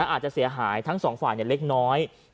อาจจะเสียหายทั้งสองฝ่ายเล็กน้อย